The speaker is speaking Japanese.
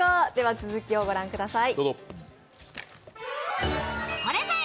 続きを御覧ください。